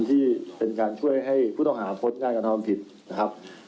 ที่เป็นการช่วยให้ผู้ต้องหาพ้นการกระทำผิดนะครับ